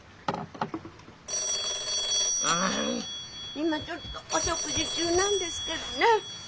今ちょっとお食事中なんですけどね。